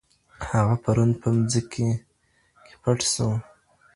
هغه پرون په مځکي کي پټ سو.